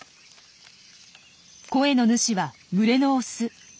声の主は群れのオス。